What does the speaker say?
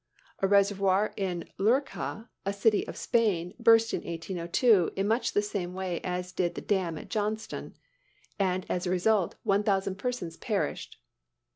A reservoir in Lurca, a city of Spain, burst in 1802, in much the same way as did the dam at Johnstown, and as a result one thousand persons perished.